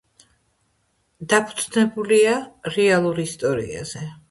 დაფუძნებულია რეალურ ისტორიაზე.